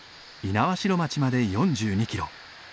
猪苗代町まで４２キロ。